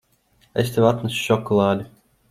Es tev atnesu šokolādi.